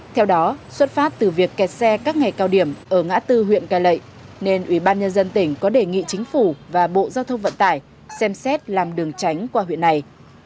theo đó xuất phát từ việc kẹt xe các ngày cao điểm ở ngã tư huyện cai lệ nên ủy ban nhân dân tỉnh có đề nghị chính phủ và bộ giao thông vận tải xem xét làm đường tránh qua huyện này